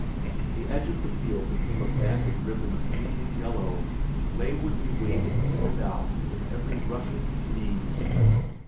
the edge of the field became a banded ribbon of green and yellow, languidly waving in and out with every rush of the breeze.